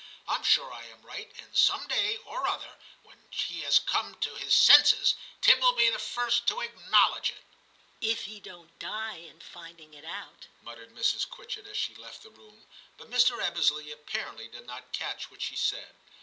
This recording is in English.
I am sure I am right, and some day or other, when he has come to his senses, Tim will be the first to acknow ledge it.' * If he don't die in finding it out,' muttered Mrs. Quitchett as she left the room ; but Mr. Ebbesley apparently did not catch what she said.